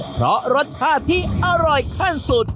เพราะรสชาติที่อร่อยขั้นสุด